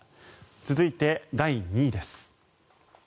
続いて、第２位です。